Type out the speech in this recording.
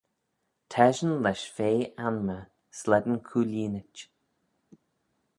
T'eshyn lesh fea-anmey slane cooilleenit.